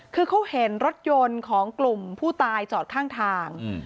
คือเขาเห็นรถยนต์ของกลุ่มผู้ตายจอดข้างทาง